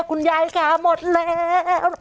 คุณยายค่ะหมดแล้ว